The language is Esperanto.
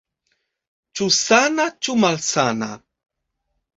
Ĉu sana, ĉu malsana?